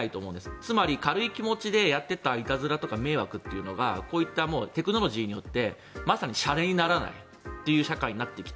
つまり軽い気持ちでやっていた迷惑とかいたずらがこういったテクノロジーによってしゃれにならないという社会になってきた。